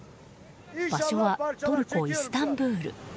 場所はトルコ・イスタンブール。